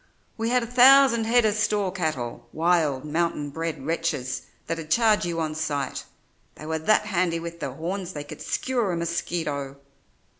"We had a thousand head of store cattle, wild, mountain bred wretches that'd charge you on sight; they were that handy with their horns they could skewer a mosquito.